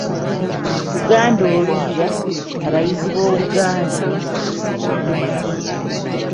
Luganda oluggya, abayizi b’Oluganda